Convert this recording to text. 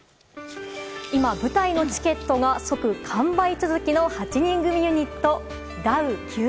今、舞台のチケットが即完売続きの８人組ユニットダウ９００００。